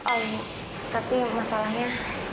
oh tapi masalahnya